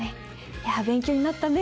いや勉強になったね。